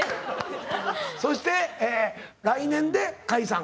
そして来年で解散。